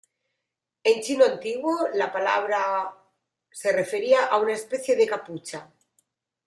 En chino antiguo, la palabra 兜 se refería a una especie de capucha.